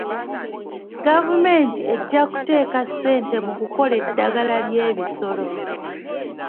Gavumenti ejja kuteeka ssente mu kukola eddagala ly'ebisolo.